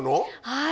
はい。